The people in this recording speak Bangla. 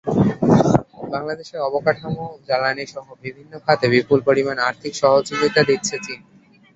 বাংলাদেশের অবকাঠামো, জ্বালানিসহ বিভিন্ন খাতে বিপুল পরিমাণ আর্থিক সহযোগিতা দিচ্ছে চীন।